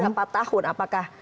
berapa tahun apakah